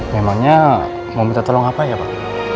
memangnya mau minta tolong apa ya pak